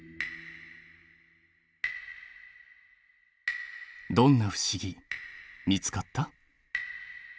どんな不思議見つかった？